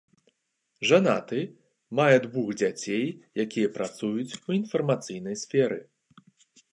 Жанаты, мае двух дзяцей, якія працуюць у інфармацыйнай сферы.